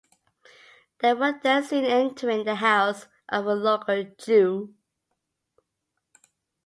They were then seen entering the house of a local Jew.